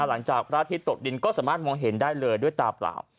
หลังจากพระอาทิตย์ตกดินก็สามารถมองเห็นได้เลยด้วยตาเปล่า